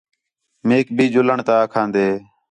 میک بھی ڄُلݨ تا آکھان٘دے